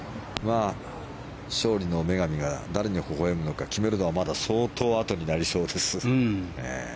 勝利の女神が誰にほほ笑むのか決めるのはまだ相当あとになりそうです。